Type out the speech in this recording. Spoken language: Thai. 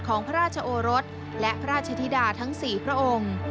ของพระราชโอรสและพระราชธิดาทั้ง๔พระองค์